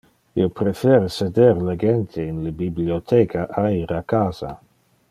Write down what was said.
Io prefere seder legente in le bibliotheca a ir a casa.